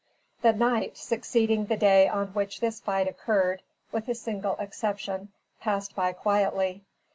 The night succeeding the day on which this fight occurred, with a single exception, passed by quietly.